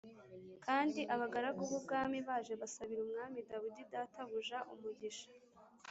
Kandi abagaragu b’umwami baje basabira Umwami Dawidi databuja umugisha